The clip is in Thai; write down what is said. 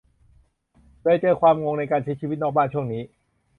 เลยเจอความงงในการใช้ชีวิตนอกบ้านช่วงนี้